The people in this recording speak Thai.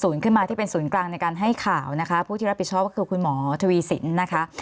ขึ้นมาที่เป็นศูนย์กลางในการให้ข่าวนะคะผู้ที่รับผิดชอบก็คือคุณหมอทวีสินนะคะ